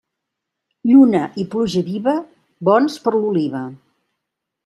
Lluna i pluja viva, bons per l'oliva.